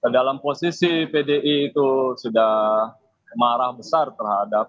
dalam posisi pdi itu sudah marah besar terhadap